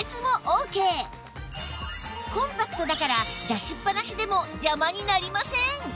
コンパクトだから出しっぱなしでも邪魔になりません